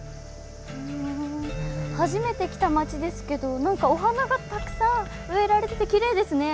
初めて来た町ですけど何かお花がたくさん植えられててきれいですね。